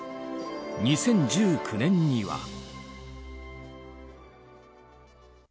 ２０１９年には。